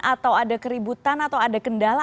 atau ada keributan atau ada kendala